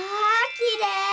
きれい。